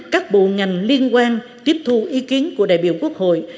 các bộ ngành liên quan tiếp thu ý kiến của đại biểu quốc hội